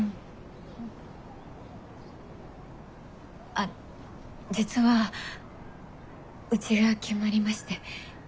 あ実はうちが決まりまして。